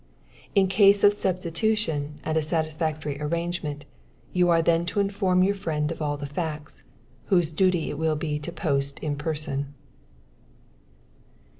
In case of substitution and a satisfactory arrangement, you are then to inform your friend of all the facts, whose duty it will be to post in person.